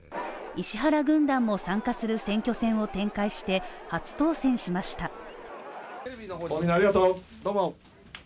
石原軍団も参加する選挙戦を展開して、初当選しました。